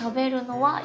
はい。